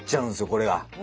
これが。